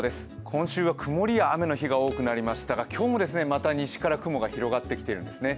今週はくもりや雨の日が多くなりましたが、今日もまた西から雲が広がってきているんですね。